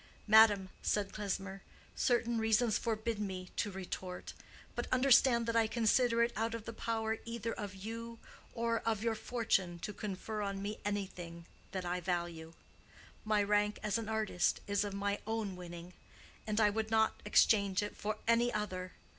"Madam," said Klesmer, "certain reasons forbid me to retort. But understand that I consider it out of the power of either of you, or of your fortune, to confer on me anything that I value. My rank as an artist is of my own winning, and I would not exchange it for any other.